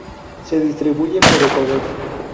Se distribuye por Ecuador.